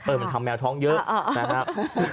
มันทำแมวท้องเยอะนะครับ